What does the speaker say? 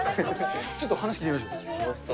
ちょっと話聞いてみましょう。